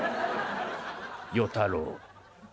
与太郎」。